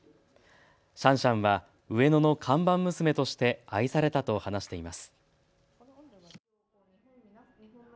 シャンシャンは上野の看板娘として愛されたと話しています。